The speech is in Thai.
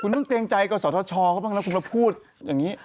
คุณต้องเกรงใจกศธชเขาบ้างนะคุณมาพูดอย่างนี้